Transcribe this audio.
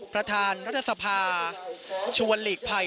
ประธานรัฐษภาบนชวนฤทธิ์ภัย